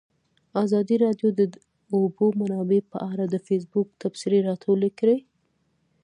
ازادي راډیو د د اوبو منابع په اړه د فیسبوک تبصرې راټولې کړي.